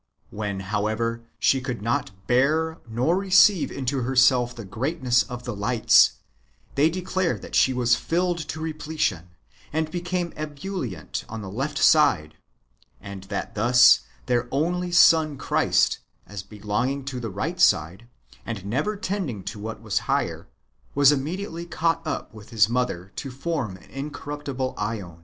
When, however,^ she could not bear nor receive into herself the greatness of the lights, they declare that she was filled to repletion, and became ebullient on the left side ; and that thus their only son Christ, as belonging to the right side, and ever tending to what was higher, was immediately caught up with his mother to form an incorruptible JEon.